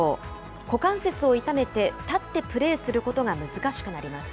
股関節を痛めて立ってプレーすることが難しくなります。